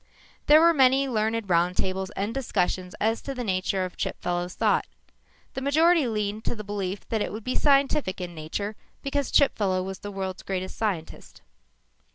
There were many learned roundtables and discussions as to the nature of Chipfellow's thought. The majority leaned to the belief that it would be scientific in nature because Chipfellow was the world's greatest scientist.